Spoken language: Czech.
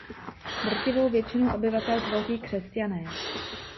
Drtivou většinu obyvatel tvoří křesťané.